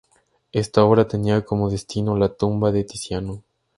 Esta obra tenía como destino la tumba de Tiziano.